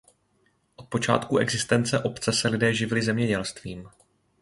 Od počátku existence obce se lidé živili zemědělstvím.